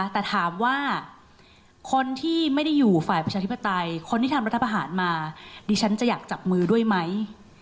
แต่ถามว่าคนที่ไม่ได้อยู่ฝ่ายประชาธิปไตยคนที่ทำรัฐประหารมาดิฉันจะอยากจับมือด้วยไหม